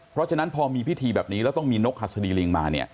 เพราะฉะนั้นพอมีพิธีแบบนี้แล้วต้องมีนกหัสดีลิงมาเนี่ย